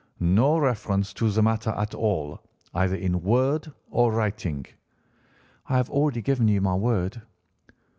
No reference to the matter at all, either in word or writing?' "'I have already given you my word.